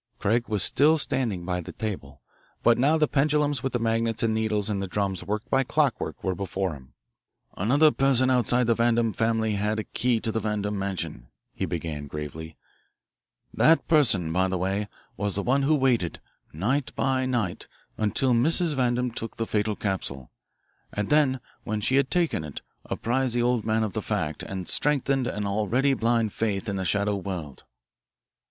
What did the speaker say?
Craig was still standing by the table, but now the pendulums with the magnets and needles and the drums worked by clockwork were before him. "Another person outside the Vandam family had a key to the Vandam mansion," he began gravely. "That person, by the way, was the one who waited, night by night, until Mrs. Vandam took the fatal capsule, and then when she had taken it apprised the old man of the fact and strengthened an already blind faith in the shadow world."